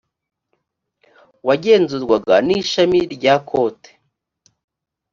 wagenzurwaga n ishami rya kote